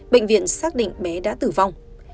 bệnh viện xác định bé đã tử vong